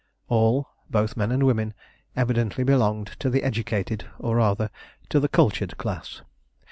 All, both men and women, evidently belonged to the educated, or rather to the cultured class.